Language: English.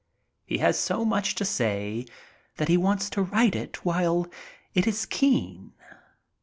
He has so much to say that he wants to write it while it is keen.